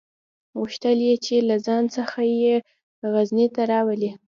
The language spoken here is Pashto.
غوښتل یې چې له ځان سره یې غزني ته راولي.